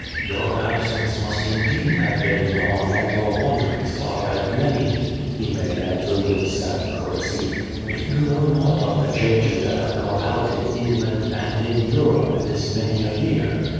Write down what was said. " Your absence must indeed have been long and your wanderings far and many," he made answer with sad courtesy, " if you know not of the changes that have come about in England and in Europe this many a year.